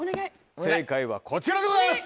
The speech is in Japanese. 正解はこちらでございます。